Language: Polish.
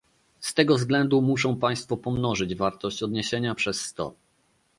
Z tego względu muszą państwo pomnożyć wartość odniesienia przez sto